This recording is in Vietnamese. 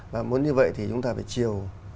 và muốn như vậy thì chúng ta phải chiều